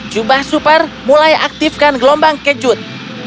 jubah super mulai aktifkan gelombang kejut